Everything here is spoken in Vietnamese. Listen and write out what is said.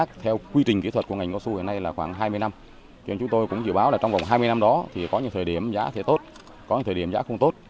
chúng tôi cũng dự báo là trong vòng hai mươi năm đó thì có những thời điểm giá sẽ tốt có những thời điểm giá không tốt